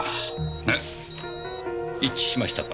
えっ？一致しましたか？